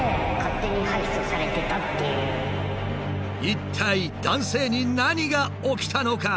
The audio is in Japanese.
一体男性に何が起きたのか？